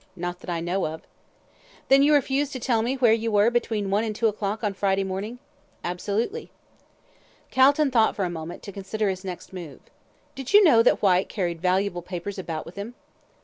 "Not that I know of." "Then you refuse to tell me where you were between one and two o'clock on Friday morning?" "Absolutely!" Calton thought for a moment, to consider his next move. "Did you know that Whyte carried valuable papers about with him?"